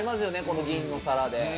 この銀の皿で。